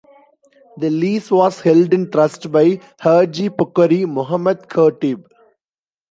The lease was held in trust by Hadjee Puckery Mohamed Khatib.